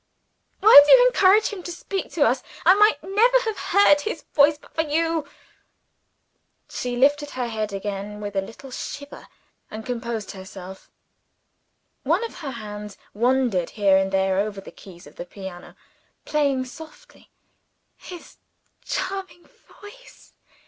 Why did you encourage him to speak to us? I might never have heard his voice but for you." She lifted her head again with a little shiver, and composed herself. One of her hands wandered here and there over the keys of the piano, playing softly. "His charming voice!"